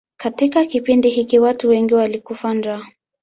Katika kipindi hiki watu wengi walikufa njaa.